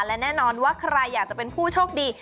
และแน่นอนว่าใครอยากจะเป็นผู้โชคดี